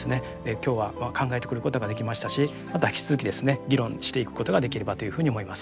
今日は考えてくることができましたしまた引き続きですね議論していくことができればというふうに思います。